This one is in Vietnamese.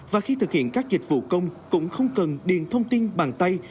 và khi thực hiện các dịch vụ công cũng không cần điền thông tin bàn tay